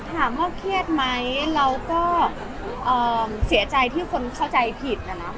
ถามว่าเครียดไหมเราก็เสียใจที่คนเข้าใจผิดนะ